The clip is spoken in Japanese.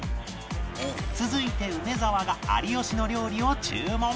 続いて梅沢が有吉の料理を注文